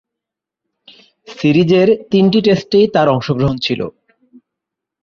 সিরিজের তিনটি টেস্টেই তার অংশগ্রহণ ছিল।